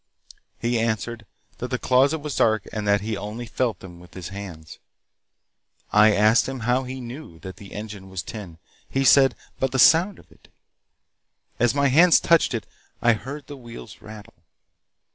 He answered that the closet was dark and that he only felt them with his hands. I asked him how he knew that the engine was tin. He said: 'By the sound of it.' As my hands touched it I heard the wheels rattle.